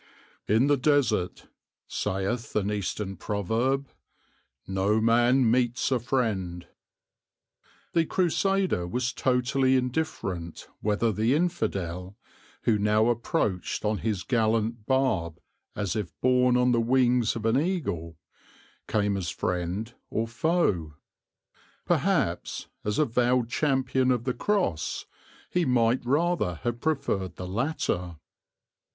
"In the desert," saith an Eastern proverb, "no man meets a friend." The Crusader was totally indifferent whether the infidel, who now approached on his gallant barb, as if borne on the wings of an eagle, came as friend or foe; perhaps, as a vowed champion of the Cross, he might rather have preferred the latter.